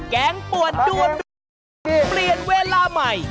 งป่วนด้วนร้อนเปลี่ยนเวลาใหม่